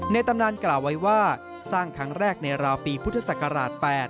ตำนานกล่าวไว้ว่าสร้างครั้งแรกในราวปีพุทธศักราช๘